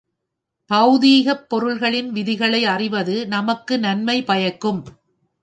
பெளதிகப் பொருள்களின் விதிகளை அறிவது நமக்கு நன்மை பயக்கும்.